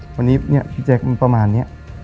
วันนี้เนี่ยพี่แจ๊คมันประมาณนี้